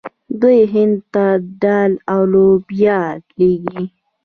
دوی هند ته دال او لوبیا لیږي.